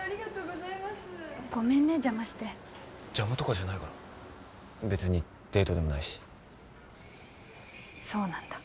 ございますごめんね邪魔して邪魔とかじゃないから別にデートでもないしそうなんだ